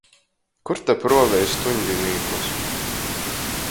Kur te pruovej stuņdinīkus?